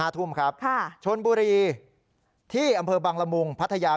ทุ่มครับชนบุรีที่อำเภอบังละมุงพัทยา